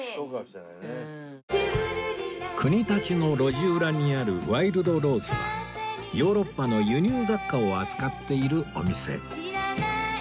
国立の路地裏にあるワイルドローズはヨーロッパの輸入雑貨を扱っているお店